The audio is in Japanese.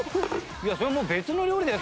それもう別の料理だよ！